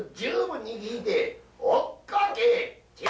「追っかけ」。